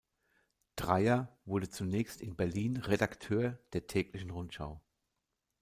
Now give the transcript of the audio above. Dreyer wurde zunächst in Berlin Redakteur der "Täglichen Rundschau".